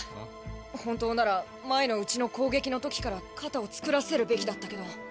本当なら前のうちの攻撃の時から肩をつくらせるべきだったけど。